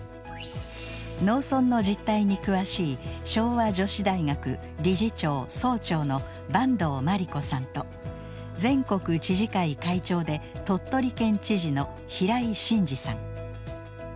農村の実態に詳しい昭和女子大学理事長・総長の坂東眞理子さんと全国知事会会長で鳥取県知事の平井伸治さん。